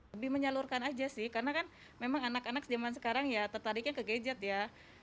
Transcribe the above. lebih menyalurkan aja sih karena kan memang anak anak zaman sekarang ya tertariknya ke gadget ya